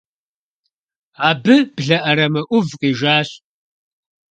Абы блэ Ӏэрамэ Ӏув къижащ.